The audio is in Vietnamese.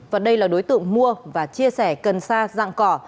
và đây là đối tượng mua và chia sẻ cần sa dạng cỏ